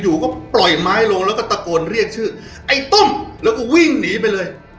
อยู่ก็ปล่อยไม้ลงแล้วก็ตะโกนเรียกชื่อไอ้ต้มแล้วก็วิ่งหนีไปเลย